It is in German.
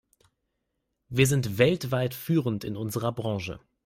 Wir sind weltweit führend in unserer Branche.